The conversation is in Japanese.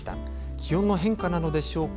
気温の変化なのでしょうか。